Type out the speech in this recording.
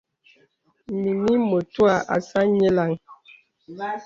Mìnī mətuə̀ àsā nyìləŋ.